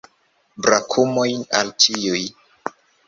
Brakumojn al ĉiuj!